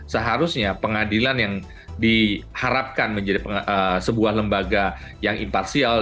seharusnya pengadilan yang diharapkan menjadi sebuah lembaga yang imparsial